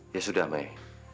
ya sudah mei